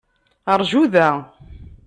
Ṛju da.